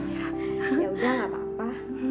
yaudah gak apa apa